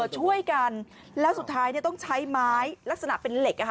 ช่วยกันแล้วสุดท้ายต้องใช้ไม้ลักษณะเป็นเหล็ก